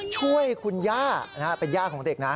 ช่วยคุณย่าเป็นย่าของเด็กนะ